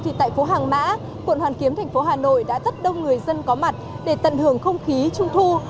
thì tại phố hàng mã quận hoàn kiếm thành phố hà nội đã rất đông người dân có mặt để tận hưởng không khí trung thu